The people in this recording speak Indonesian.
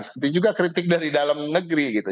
seperti juga kritik dari dalam negeri gitu